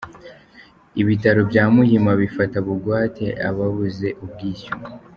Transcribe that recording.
Ibitaro bya Muhima bifata bugwate ababuze ubwishyu.